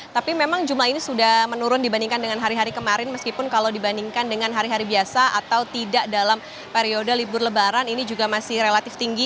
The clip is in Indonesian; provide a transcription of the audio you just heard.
tapi memang jumlah ini sudah menurun dibandingkan dengan hari hari kemarin meskipun kalau dibandingkan dengan hari hari biasa atau tidak dalam periode libur lebaran ini juga masih relatif tinggi